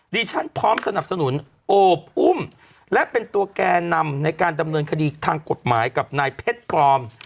ดิฉันพร้อมสนับสนุนโอบอุ้มและเป็นตัวแก่นำในการดำเนินคดีทางกฎหมายกับนายเพชรปลอม